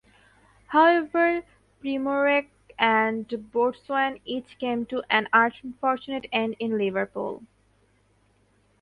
However Primorac and Boatswain each came to an unfortunate end in Liverpool.